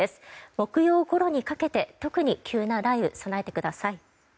木曜ごろにかけて特に急な雷雨に備えてください。